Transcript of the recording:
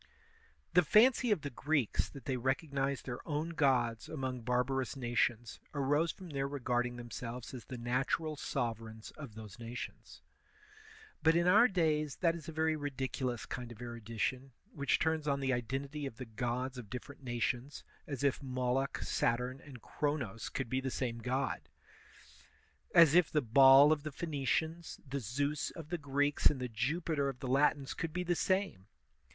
The fancy of the Greeks that they recognized their own gods among barbarous nations arose from their re garding themselves as the natural sovereigns of those nations. But in our days that is a very ridiculous kind of erudition which turns on the identity of the gods of different nations, as if Moloch, Saturn, and Chronos could be the same god! As if the Baal of the Phoenicians, the 2^us of the Greeks, and the Jupiter of the Latins could be the same!